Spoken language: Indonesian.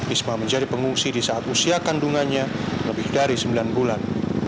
isma menjadi pengungsi di saat usia kandungannya lebih dari sembilan bulan